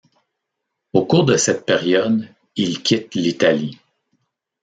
Au cours de cette période, il quitte l'Italie.